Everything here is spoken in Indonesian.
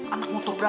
anak motor beranda